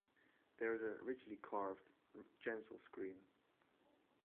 There is a richly-carved Chancel screen.